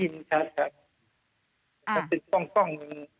อ่านี่ต้องกล้อง